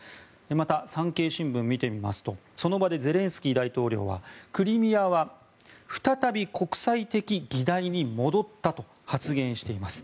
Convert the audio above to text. また、産経新聞を見てみますとその場でゼレンスキー大統領はクリミアは再び国際的議題に戻ったと発言しています。